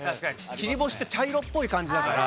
切り干しって茶色っぽい感じだから。